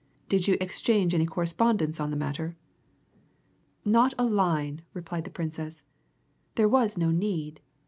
Did you exchange any correspondence on the matter?" "Not a line!" replied the Princess. "There was no need.